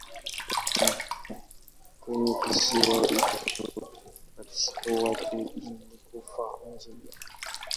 Kwenye kisiwa hicho pasipo watu alikufa njaa.